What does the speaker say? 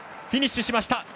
フィニッシュしました。